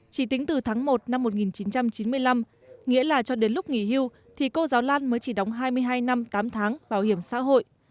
chỉ tính từ tháng một năm một nghìn chín trăm chín mươi năm nghĩa là cho đến lúc nghỉ hưu thì cô giáo lan mới chỉ đóng hai mươi hai năm tám tháng bảo hiểm xã hội